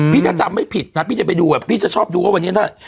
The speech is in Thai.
พี่ถ้าจำไม่ผิดนะพี่จะไปดูอ่ะพี่จะชอบดูว่าวันนี้ถ้า